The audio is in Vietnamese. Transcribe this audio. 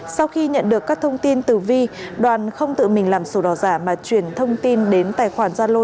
sau khi nhận được các thông tin từ vi đoàn không tự mình làm sổ đỏ giả mà chuyển thông tin đến tài khoản gia lô